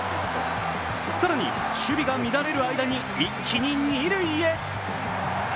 更に、守備が乱れる間に一気に二塁へ。